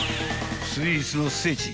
［スイーツの聖地